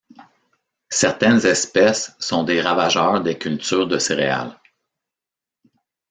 Certaines espèces sont des ravageurs des cultures de céréales.